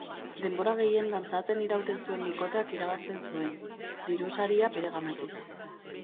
Denbora gehien dantzatzen irauten zuen bikoteak irabazten zuen, diru-saria bereganatuz.